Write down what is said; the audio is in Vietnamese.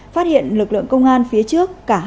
phát hiện lực lượng công an phía trước